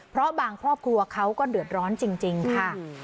เพราะบางครอบครัวเขาก็เดือดร้อนจริงค่ะ